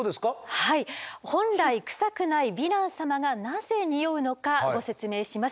はい本来クサくないヴィラン様がなぜにおうのかご説明します。